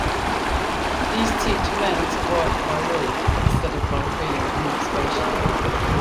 These teach 'men to work by rule, instead of by feeling and observation.